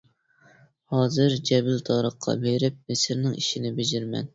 ھازىر جەبىلتارىققا بېرىپ مىسىرنىڭ ئىشىنى بېجىرىمەن.